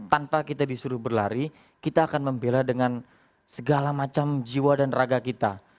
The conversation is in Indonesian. tanpa kita disuruh berlari kita akan membela dengan segala macam jiwa dan raga kita